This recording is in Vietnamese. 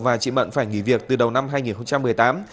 và chị mận phải nghỉ việc từ đầu năm hai nghìn một mươi tám